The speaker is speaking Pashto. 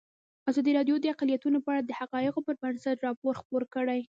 ازادي راډیو د اقلیتونه په اړه د حقایقو پر بنسټ راپور خپور کړی.